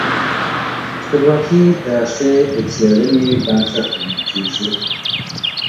خپلواکي د ښې څېړني بنسټ ګڼل کېږي.